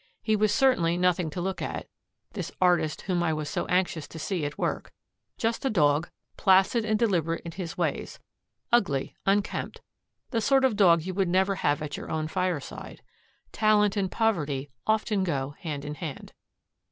He was certainly nothing to look at, this artist whom I was so anxious to see at work: just a Dog, placid and deliberate in his ways, ugly, unkempt; the sort of Dog you would never have at your own fireside. Talent and poverty often go hand in hand.